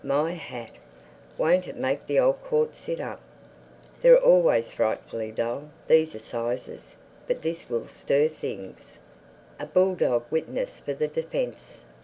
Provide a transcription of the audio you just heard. My hat! Won't it make the old court sit up? They're always frightfully dull, these Assizes. But this will stir things. A bulldog witness for the defense!